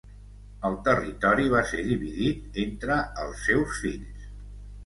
El territori va ser dividit entre els seus fills.